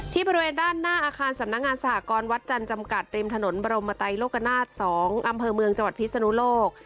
บริเวณด้านหน้าอาคารสำนักงานสหกรวัดจันทร์จำกัดริมถนนบรมไตโลกนาศ๒อำเภอเมืองจังหวัดพิศนุโลก